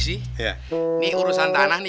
ini urusan tanah gimana pak haji